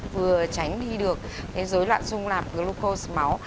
vừa tránh đi được cái dối loạn sung lạp glucose máu